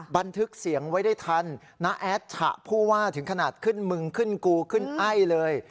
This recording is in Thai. บันทึกเสียงไว้ได้ทันน้าแอดฉะผู้ว่าถึงขนาดขึ้นมึงขึ้นกูขึ้นไอ้เลย